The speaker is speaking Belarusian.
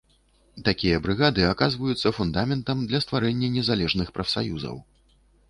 Такія брыгады аказваюцца фундаментам для стварэння незалежных прафсаюзаў.